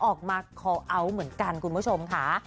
ออกมาคอลเอาท์เหมือนกันคุณผู้ชมค่ะ